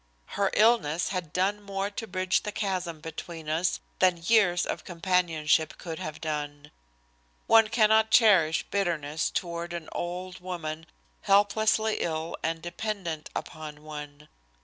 Her illness had done more to bridge the chasm, between us than years of companionship could have done. One cannot cherish bitterness toward an old woman helplessly ill and dependent upon one.